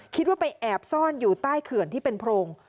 คิดว่าไปแอบซ่อนอยู่ใต้เขื่อนที่เป็นโพรง